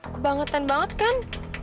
kebangetan banget kan